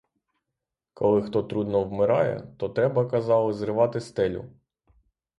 Коли хто трудно вмирає, то треба, казали, зривати стелю.